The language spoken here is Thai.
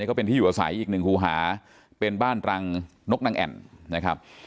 ก็เป็นที่อยู่อาศัยอีกหนึ่งคู่หาเป็นบ้านรังนกนางแอ่นนะครับ